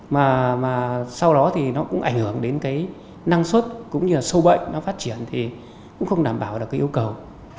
mà sau đó thì nó cũng ảnh hưởng đến cái năng suất cũng như là sâu bệnh nó phát triển thì cũng không đảm bảo được cái yêu cầu